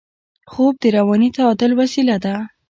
خوب د رواني تعادل وسیله ده